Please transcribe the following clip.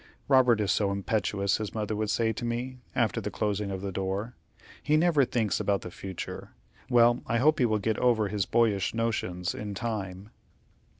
"Robert is so impetuous," his mother would say to me, after the closing of the door. "He never thinks about the future. Well, I hope that he will get over his boyish notions in time."